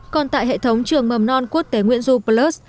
còn tại hệ thống trường mầm non quốc tế nguyễn du plus đã gần ba tháng nay